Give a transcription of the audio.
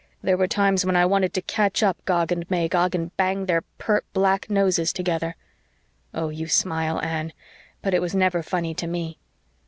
There were times when I wanted to catch up Gog and Magog and bang their pert black noses together! Oh, you smile, Anne but it was never funny to me.